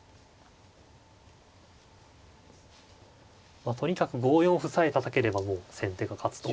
まあとにかく５四歩さえたたければもう先手が勝つと。